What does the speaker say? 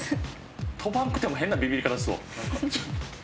飛ばんくても変なビビり方するわ。